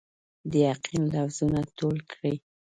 د یقین لفظونه ټول کړئ